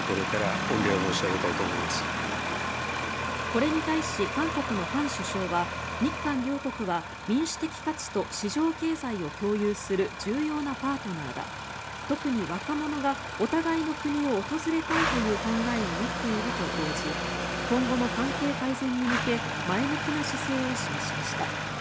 これに対し韓国のハン首相は日韓両国は民主的価値と市場経済を共有する重要なパートナーだ特に若者がお互いの国を訪れたいという考えを持っていると応じ今後の関係改善に向け前向きな姿勢を示しました。